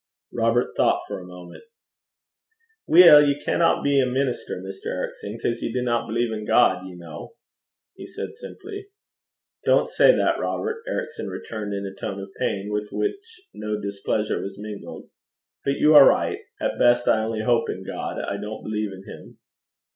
Robert thought for a moment. 'Weel, ye canna be a minister, Mr. Ericson, 'cause ye dinna believe in God, ye ken,' he said simply. 'Don't say that, Robert,' Ericson returned, in a tone of pain with which no displeasure was mingled. 'But you are right. At best I only hope in God; I don't believe in him.'